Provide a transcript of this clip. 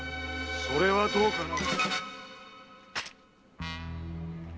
それはどうかな？